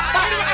pak pak pak